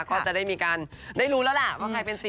ก็จะได้มีการได้รู้แล้วแหละว่าใครเป็นสิ